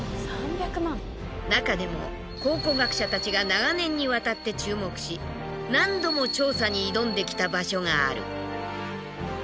中でも考古学者たちが長年にわたって注目し何度も調査に挑んできた場所がある。